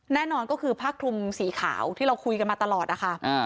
แน่นอนก็คือผ้าคลุมสีขาวที่เราคุยกันมาตลอดนะคะ